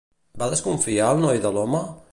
Va desconfiar el noi de l'home?